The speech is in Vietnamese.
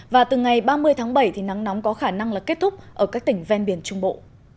và từ ngày ba mươi tháng bảy thì nắng nóng có khả năng là kết thúc ở các tỉnh ven biển trung bộ